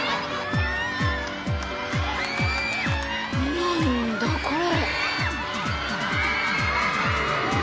何だこれ。